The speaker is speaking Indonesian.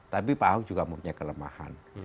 tapi pak ahok juga mempunyai kelemahan